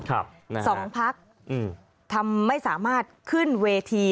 สองพักอืมทำให้ไม่สามารถขึ้นเวที